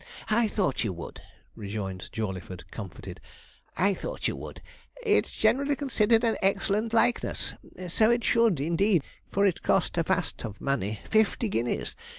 'I thought you would,' rejoined Jawleyford comforted 'I thought you would; it's generally considered an excellent likeness so it should, indeed, for it cost a vast of money fifty guineas!